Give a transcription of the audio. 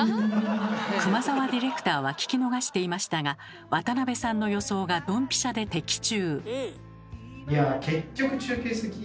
熊澤ディレクターは聞き逃していましたが渡邊さんの予想がドンピシャで的中。